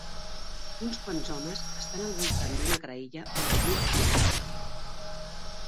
Uns quants homes estan al voltant d'una graella on algú cuina.